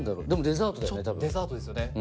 デザートですよね。